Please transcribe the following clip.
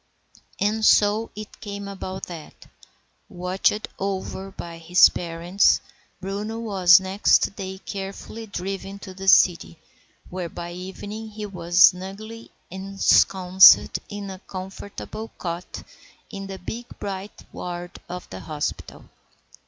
And so it came about that, watched over by his parents, Bruno was next day carefully driven to the city, where by evening he was snugly ensconced in a comfortable cot in the big bright ward of the hospital.